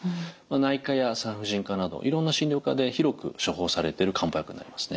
内科や産婦人科などいろんな診療科で広く処方されてる漢方薬になりますね。